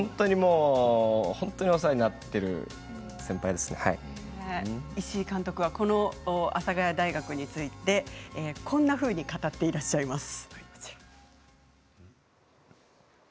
本当にお世話に石井監督はこの阿佐ヶ谷大学についてこんなふうに語っていらっしゃいます。